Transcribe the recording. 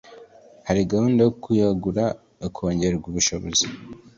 Hari gahunda yo kuyagura ikongererwa ubushobozi